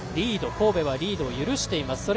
神戸はリードを許しています。